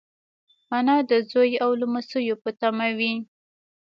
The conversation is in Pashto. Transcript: انا د زوی او لمسيو په تمه وي